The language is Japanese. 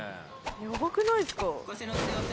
ヤバくないっすか？